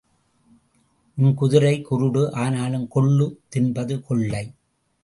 உன் குதிரை குருடு ஆனாலும் கொள்ளுத் தின்பது கொள்ளை.